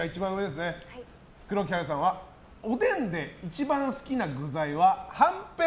黒木華さんは、おでんで一番好きな具材はんぺん。